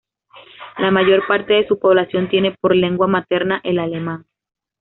La mayor parte de su población tiene por lengua materna el alemán.